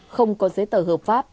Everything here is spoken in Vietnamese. không có giấy tờ hợp pháp